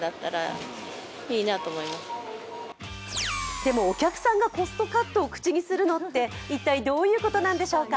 でもお客さんがコストカットを口にするのって一体どういうことなんでしょうか。